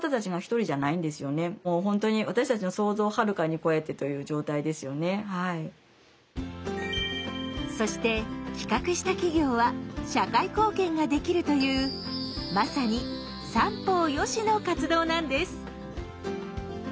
クラブだけではなくそして企画した企業は社会貢献ができるというまさに“三方よし”の活動なんです。